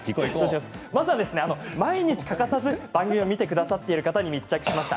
まずは毎日欠かさず番組を見てくださっている方に密着しました。